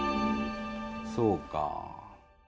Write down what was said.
そうか。